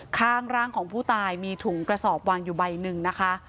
ข้างร่างของผู้ตายมีถุงกระสอบวางอยู่ใบหนึ่งนะคะ